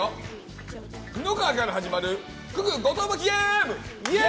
布川から始まる九九誤答マキゲーム！